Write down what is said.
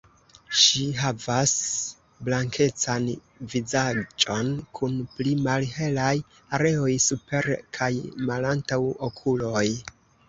Ŝi havas blankecan vizaĝon kun pli malhelaj areoj super kaj malantaŭ okuloj.